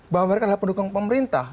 bahwa mereka adalah pendukung pemerintah